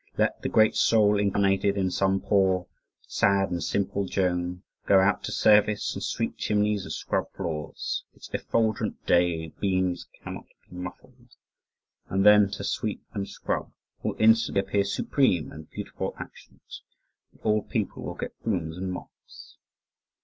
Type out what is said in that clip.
Let the great soul incarnated in some poor ... sad and simple Joan, go out to service and sweep chimneys and scrub floors ... its effulgent day beams cannot be muffled..." and then "to sweep and scrub will instantly appear supreme and beautiful actions ... and all people will get brooms and mops."